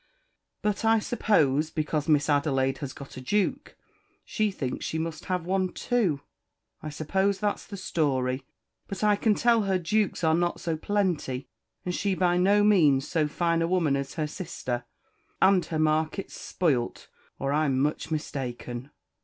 But I suppose, because Miss Adelaide has got a Duke, she thinks she must have one too. I suppose that's the story; but I can tell her Dukes are not so plenty; and she's by no means so fine a woman as her sister, and her market's spoilt, or I'm much mistaken.